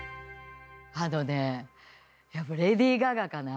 あのねやっぱレディー・ガガかな。